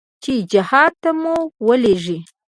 چې جهاد ته مو ولېږي.